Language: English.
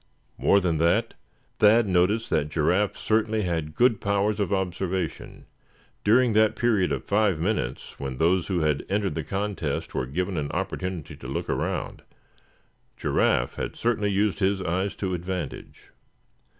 More than that, Thad noticed that Giraffe certainly had good powers of observation. During that period of five minutes when those who had entered the contest were given an opportunity to look around, Giraffe had certainly used his eyes to advantage.